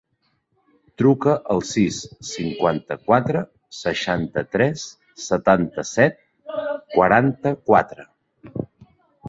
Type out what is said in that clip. Truca al sis, cinquanta-quatre, seixanta-tres, setanta-set, quaranta-quatre.